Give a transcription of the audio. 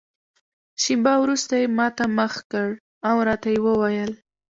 شېبه وروسته یې ما ته مخ کړ او راته ویې ویل.